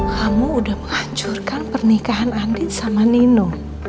kamu udah menghancurkan pernikahan andin sama nino